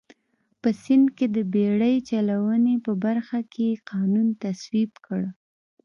په سیند کې د بېړۍ چلونې په برخه کې قانون تصویب کړ.